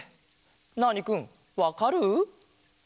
ナーニくんわかる？